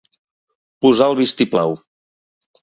Posar el vistiplau.